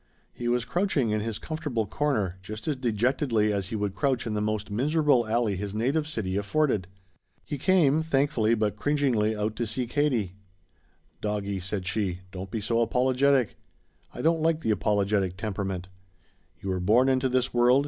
He was crouching in his comfortable corner just as dejectedly as he would crouch in the most miserable alley his native city afforded. He came, thankfully but cringingly, out to see Katie. "Doggie," said she, "don't be so apologetic. I don't like the apologetic temperament. You were born into this world.